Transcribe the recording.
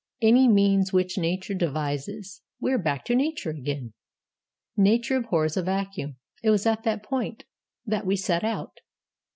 'Any means which Nature devises.' We are back to Nature again. 'Nature abhors a vacuum'; it was at that point that we set out.